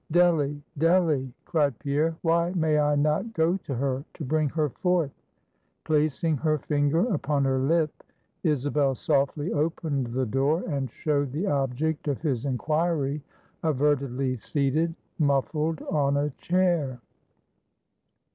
"Delly! Delly!" cried Pierre "why may I not go to her, to bring her forth?" Placing her finger upon her lip, Isabel softly opened the door, and showed the object of his inquiry avertedly seated, muffled, on a chair.